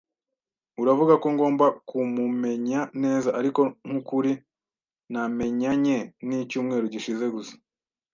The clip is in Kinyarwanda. Uravuga ko ngomba kumumenya neza, ariko nkukuri, namenyanye nicyumweru gishize gusa